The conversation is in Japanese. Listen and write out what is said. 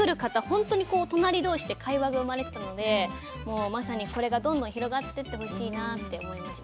本当に隣同士で会話が生まれてたのでもうまさにこれがどんどん広がってってほしいなって思いました。